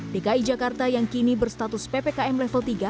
dki jakarta yang kini berstatus ppkm level tiga